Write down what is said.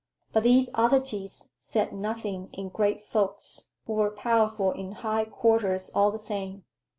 But these oddities "said nothing" in great folks, who were powerful in high quarters all the same.